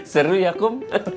seru ya kum